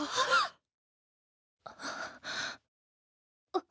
あっ。